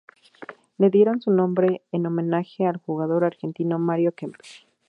Le dieron su nombre en homenaje al jugador argentino Mario Kempes.